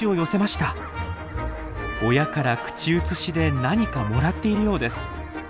親から口移しで何かもらっているようです。